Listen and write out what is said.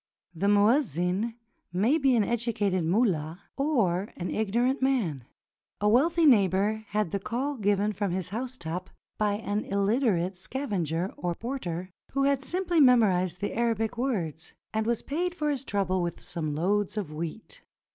The muezzin may be an educated mullah or an ignorant man. A wealthy neighbor had the call given from his housetop by an illiterate scavenger or porter, who had simply memorized the Arabic words, and was paid for his trouble with some loads of wheat.